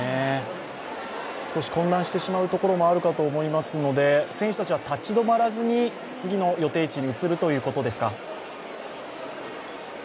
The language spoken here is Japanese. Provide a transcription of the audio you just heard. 少し混乱してしまうところもあるかと思いますので、選手たちは立ち止まらずに次の予定地に移るということですか？